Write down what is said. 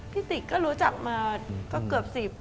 พี่ติ๊กก็รู้จักมาก็เกือบสิบ